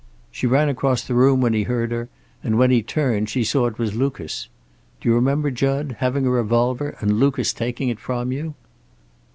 She ran across the room when he heard her and when he turned she saw it was Lucas. Do you remember, Jud, having a revolver and Lucas taking it from you?"